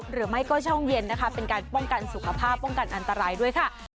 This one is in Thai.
หรือไม่ก็ช่องเย็นนะคะเป็นการป้องกันสุขภาพป้องกันอันตรายด้วยค่ะ